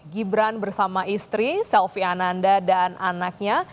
gibran bersama istri selvi ananda dan anaknya